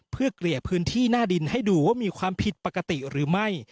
เพื่อเกลี่ยพื้นที่หน้าดินให้ดูว่ามีความผิดปกติหรือไม่